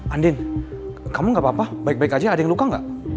andin kamu gak apa apa baik baik aja ada yang luka gak